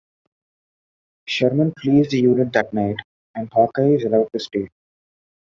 Sherman flees the unit that night and Hawkeye is allowed to stay.